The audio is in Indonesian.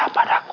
kau setia padaku